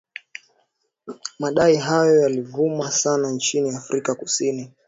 madai hayo yalivuma sana nchini afrika kusini